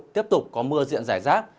tiếp tục có mưa diện rải rác